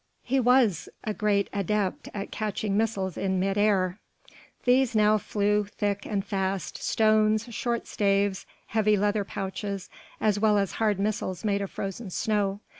He was a great adept at catching missiles in mid air. These now flew thick and fast, stones, short staves, heavy leather pouches as well as hard missiles made of frozen snow.